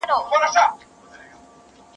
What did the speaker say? خر پر خوټو پېژني.